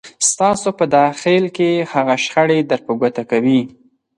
ستاسو په داخل کې هغه شخړې در په ګوته کوي.